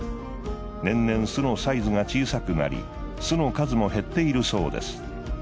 年々巣のサイズが小さくなり巣の数も減っているそうです。